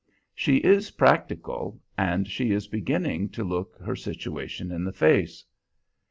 She is practical, and she is beginning to look her situation in the face.